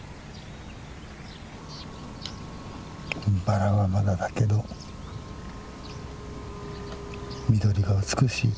バラはまだだけど緑が美しい。